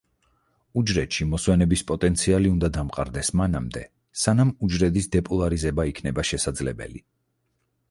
უჯრედში მოსვენების პოტენციალი უნდა დამყარდეს მანამდე, სანამ უჯრედის დეპოლარიზება იქნება შესაძლებელი.